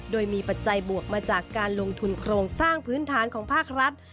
โดยมีปัจจัยบวกมาจากการลงทุนโครงสร้างพื้นฐานของภาครัฐ